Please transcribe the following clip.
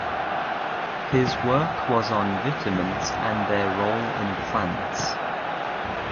His work was on vitamins and their role in plants.